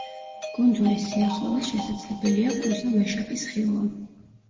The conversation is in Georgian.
კუნძულის სიახლოვეს შესაძლებელია კუზა ვეშაპის ხილვა.